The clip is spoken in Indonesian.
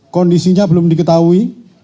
kondisinya belum diketahui